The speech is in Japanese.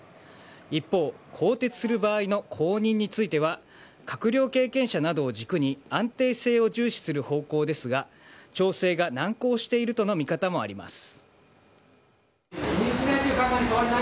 一方更迭する場合の後任については閣僚経験者などを軸に安定性を重視する方向ですが調整が難航しているとの見方もあります。